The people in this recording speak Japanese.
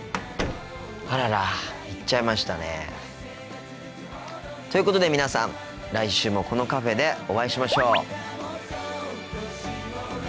あらら行っちゃいましたね。ということで皆さん来週もこのカフェでお会いしましょう！